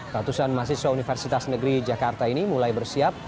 ratusan mahasiswa universitas negeri jakarta ini mulai bersiap